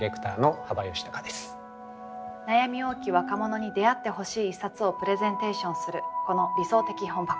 悩み多き若者に出会ってほしい一冊をプレゼンテーションするこの「理想的本箱」。